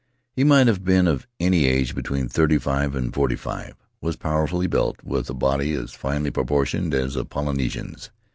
He might have been of any age between thirty five and forty five; was powerfully built, with a body as finely proportioned as a Polynesian's.